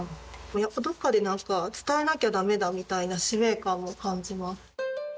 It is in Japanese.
やっぱどっかでなんか伝えなきゃダメだみたいな使命感も感じます。